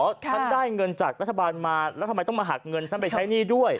ท่านได้เงินจากรัฐบาลมาแล้วทำไมต้องมาหักเงินฉันไปใช้หนี้ด้วย